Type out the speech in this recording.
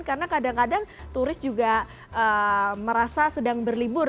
karena kadang kadang turis juga merasa sedang berlibur